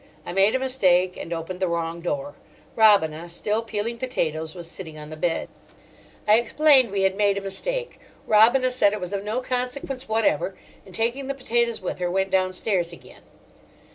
I made a mistake and opened the wrong door. Robina, still peeling potatoes, was sitting on the bed. I explained we had made a mistake. Robina said it was of no consequence whatever, and, taking the potatoes with her, went downstairs again.